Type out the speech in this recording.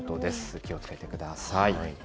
気をつけてください。